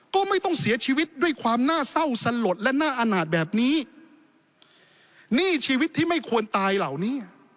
ก็ไม่ต้องเสียชีวิตด้วยความน่าเศร้าสลดและน่าอนาจแบบนี้นี่ชีวิตที่ไม่ควรตายเหล่านี้